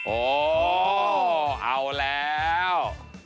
โอ้เอาแล้ว